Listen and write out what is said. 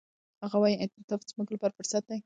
هغه وايي، انعطاف زموږ لپاره فرصت دی.